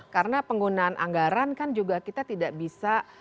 karena penggunaan anggaran kan juga kita tidak bisa